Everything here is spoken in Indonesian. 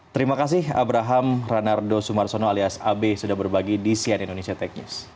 terima kasih abraham ranardo sumarsono alias abe sudah berbagi di sian indonesia tech news